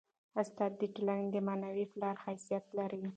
استاد د ټولني د معنوي پلار حیثیت لري.